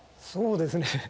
そうですね。